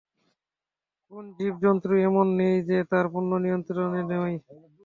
কোন জীব-জন্তু এমন নেই যা তাঁর পূর্ণ নিয়ন্ত্রণে নয়।